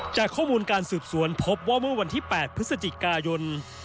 จากข้อมูลการสืบสวนพบว่าเมื่อวันที่๘พฤศจิกายน